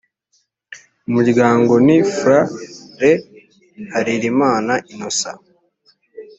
muryango ni fr re harerimana innocent